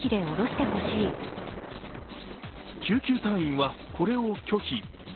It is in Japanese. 救急隊員は、これを拒否。